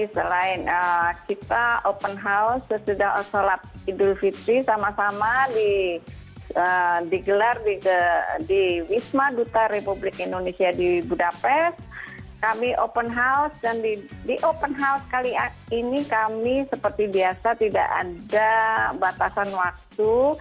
selain kita open house sesudah osolat idul fitri sama sama digelar di wisma duta republik indonesia di budapest kami open house dan di open house kali ini kami seperti biasa tidak ada batasan waktu